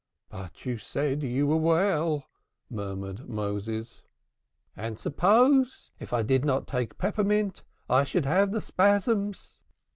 "But you said you were well," murmured Moses. "And suppose? If I did not take peppermint I should have the spasms.